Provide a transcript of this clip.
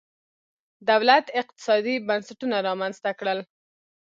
دولت اقتصادي بنسټونه رامنځته کړل.